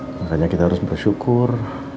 makanya kita harus bersyukur